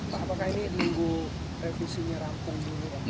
pak apakah ini diunggu revisinya rampung juga